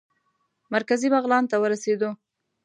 مرکزي بغلان ته ورسېدو.